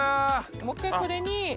もう１回これに。